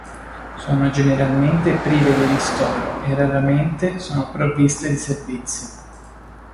Sono generalmente prive di ristoro, e raramente sono provviste di servizi.